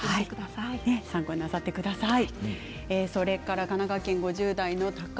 参考になさってください。